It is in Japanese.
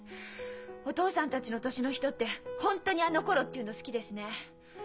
お父さんたちの年の人って本当に「あのころ」って言うの好きですね！